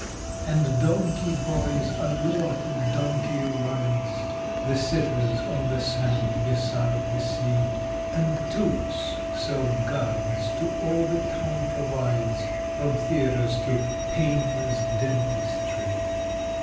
= And donkey boys allure to donkey rides `The sitters on the sand beside the sea, And touts sell "guides" to all the town provides, `From theatres to "painless dentistry."